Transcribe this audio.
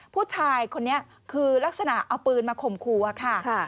ผู้ชายคนนี้คือลักษณะเอาปืนมาข่มครัวค่ะ